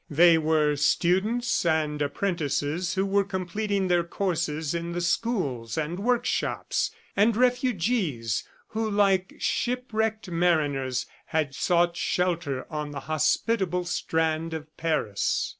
They were students and apprentices who were completing their courses in the schools and workshops, and refugees who, like shipwrecked mariners, had sought shelter on the hospitable strand of Paris.